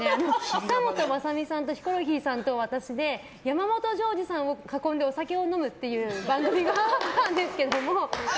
久本雅美さんとヒコロヒーさんと私で山本譲二さんを囲んでお酒を飲むという番組があったんですけども。